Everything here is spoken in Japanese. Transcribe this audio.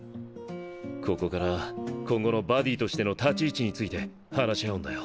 ここから今後のバディとしての立ち位置について話し合うんだよ。